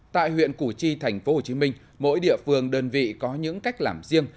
tại huyện củ chi tp hcm mỗi địa phương đơn vị có những cách làm riêng